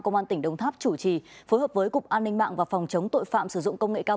công an tỉnh đồng tháp chủ trì phối hợp với cục an ninh mạng và phòng chống tội phạm sử dụng công nghệ cao